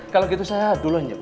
kalau gitu saya duluan ibu